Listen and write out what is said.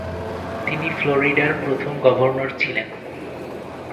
তিনি ফ্লোরিডার প্রথম গভর্নর ছিলেন।